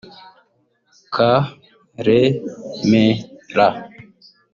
Karemera